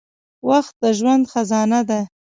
• وخت د ژوند خزانه ده.